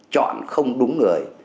chọn không đúng người